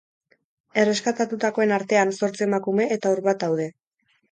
Erreskatatutakoen artean zortzi emakume eta haur bat daude.